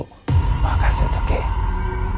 任せとけ。